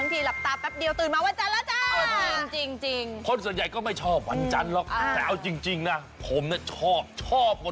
นึงวันมีเจ็ดสัปดาห์